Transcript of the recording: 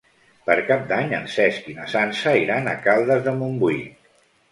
Per Cap d'Any en Cesc i na Sança iran a Caldes de Montbui.